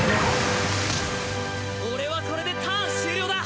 俺はこれでターン終了だ。